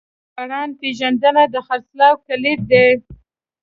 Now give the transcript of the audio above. د برانډ پیژندنه د خرڅلاو کلید دی.